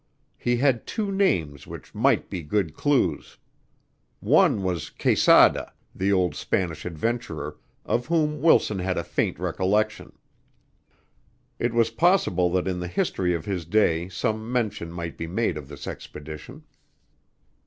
He had two names which might be good clues. One was "Quesada," the old Spanish adventurer, of whom Wilson had a faint recollection. It was possible that in the history of his day some mention might be made of this expedition.